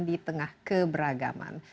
di tengah keberagaman